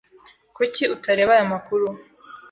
Kuki utareba aya makuru?